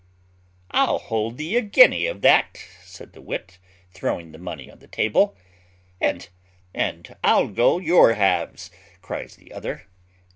'"_ "I'll hold thee a guinea of that," said the wit, throwing the money on the table. "And I'll go your halves," cries the other.